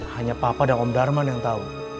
hanya papa dan om darman yang tahu